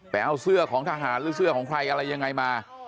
เอาเสื้อของทหารหรือเสื้อของใครอะไรยังไงมา